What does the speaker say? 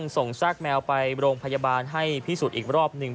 ซากแมวไปโรงพยาบาลให้พิสูจน์อีกรอบหนึ่ง